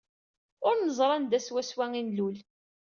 Ur neẓri anda swaswa ay nlul.